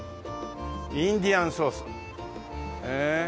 「インディアンソース」へえ。